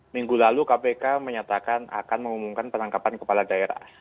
minggu lalu kpk menyatakan akan mengumumkan penangkapan kepala daerah